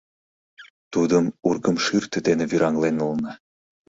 Тудым ургымшӱртӧ дене вӱраҥлен улына.